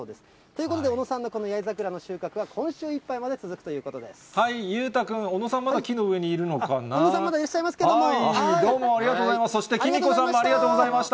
ということで、小野さんのこの八重桜の収穫は、今週いっぱいまで続くということ裕太君、小野さん、小野さん、まだいらっしゃいどうもありがとうございます。